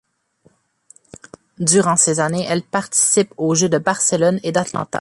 Durant ces années, elle participe aux jeux de Barcelone et d'Atlanta.